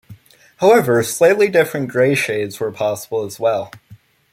However, slightly different grey shades were possible as well.